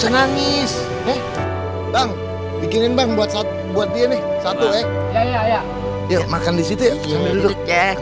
nangis eh bang bikinin bang buat buat dia nih satu ya ya ya ya makan disitu ya